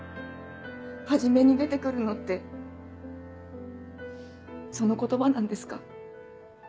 初めに出てくるのってその言葉なんですか？